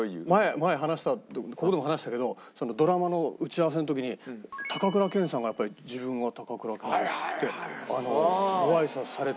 前話したここでも話したけどドラマの打ち合わせの時に高倉健さんがやっぱり「自分は高倉健です」ってご挨拶されて。